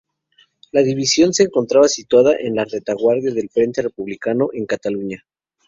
La división se encontraba situada en la retaguardia del frente republicano en Cataluña.